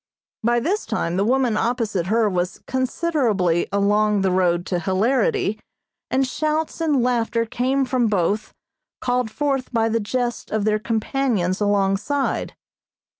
By this time the woman opposite her was considerably along the road to hilarity, and shouts and laughter came from both, called forth by the jests of their companions alongside.